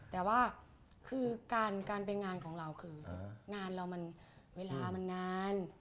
แต่ว่าคือการไปงานของเราคืองานเรามันเวลามันนาน